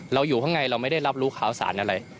อยู่ข้างในเราไม่ได้รับรู้ข่าวสารอะไร